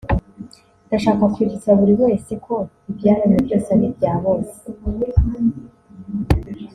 ndashaka kwibutsa buri wese ko ibyaremwe byose ari ibya bose